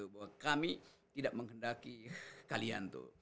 bahwa kami tidak menghendaki kalian tuh